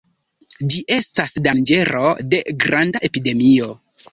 Ĝi estas danĝero de granda epidemio.